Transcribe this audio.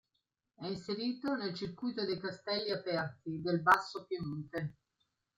È inserito nel circuito dei "Castelli Aperti" del Basso Piemonte.